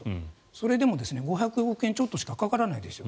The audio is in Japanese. それでも５００億円ちょっとしかかからないですよ。